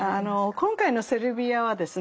今回のセルビアはですね